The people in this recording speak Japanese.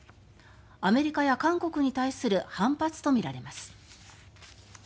アメリカや韓国に対する反発とみられます。